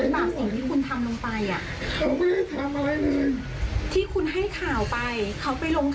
มันออกทีวีเลยนะคะ